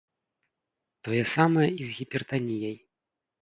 Тое самае і з гіпертаніяй.